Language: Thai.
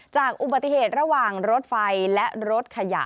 จากอุบัติเหตุระหว่างรถไฟและรถขยะ